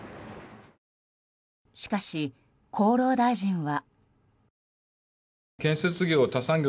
しかし厚労大臣は。